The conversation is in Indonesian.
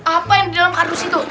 apa yang di dalam arus itu